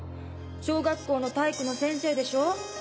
小学校の体育の先生でしょ